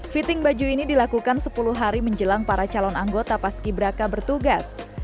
fitting baju ini dilakukan sepuluh hari menjelang para calon anggota paski braka bertugas